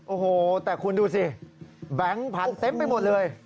โอ้โหแต่คุณดูสิแบงค์พันธุ์เต็มไปหมดเลย